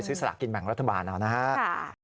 ศึกษากินแบ่งรัฐบาลนะครับ